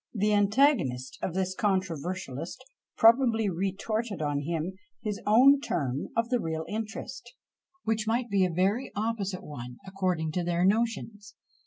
_" The antagonist of this controversialist probably retorted on him his own term of the real interest, which might be a very opposite one, according to their notions!